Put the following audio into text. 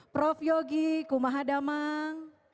prof yogi kumaha damang